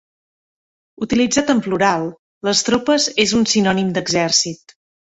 Utilitzat en plural, les tropes és un sinònim d'exèrcit.